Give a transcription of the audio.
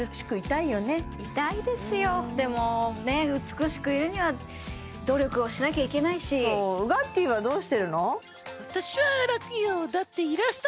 いたいですよでもね美しくいるには努力をしなきゃいけないしそうウガッティーはどうしてるの？